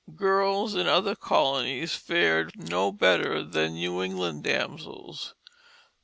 Girls in the other colonies fared no better than New England damsels.